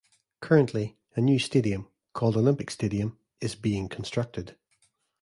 Currently, a new stadium, called Olympic Stadium, is being constructed.